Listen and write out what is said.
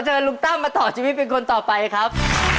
ลุงตั้มมาต่อชีวิตเป็นคนต่อไปครับ